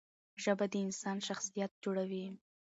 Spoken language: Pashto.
ژبه د انسان شخصیت جوړوي.